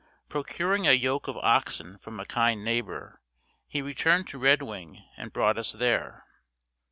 Procuring a yoke of oxen from a kind neighbor, he returned to Red Wing and brought us there.